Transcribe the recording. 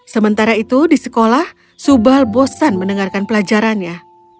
sementara itu di sekolah subal bosan mendengarkan pelajarannya